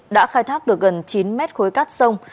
đã khai thác được gần chín mét khối cát sông